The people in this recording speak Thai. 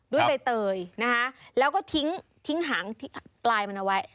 ใบเตยนะคะแล้วก็ทิ้งหางปลายมันเอาไว้